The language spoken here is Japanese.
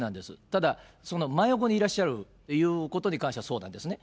ただ、その真横にいらっしゃるということに関しては、そうなんですね。